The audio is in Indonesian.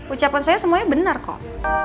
ucapan saya semuanya benar kok